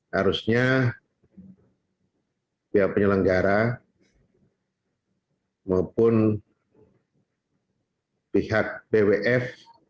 harusnya pihak penyelenggara maupun pihak bwf